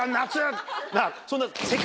そんな。